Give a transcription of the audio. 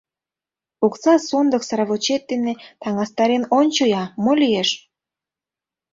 — Окса сондык сравочет дене таҥастарен ончо-я, мо лиеш!